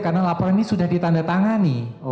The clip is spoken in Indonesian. karena laporan ini sudah ditanda tangan